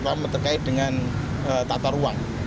terutama terkait dengan tata ruang